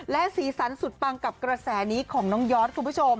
และสีสันสุดปังกับกระแสนี้ของน้องยอดคุณผู้ชม